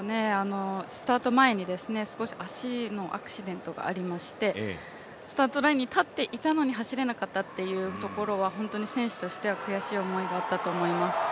スタート前に足のアクシデントがありましてスタートラインに立っていたのに走れなかったっていうところは本当に選手としては悔しい思いがあったと思います。